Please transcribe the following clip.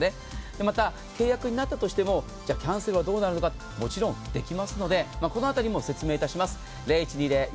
また、契約になったとしてもキャンセルはどうなるのか、もちろんできますので、この辺りも説明いたします。